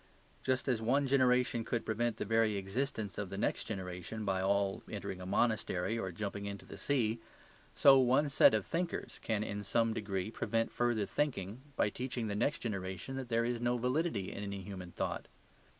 Just as one generation could prevent the very existence of the next generation, by all entering a monastery or jumping into the sea, so one set of thinkers can in some degree prevent further thinking by teaching the next generation that there is no validity in any human thought.